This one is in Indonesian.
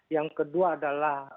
yang kedua adalah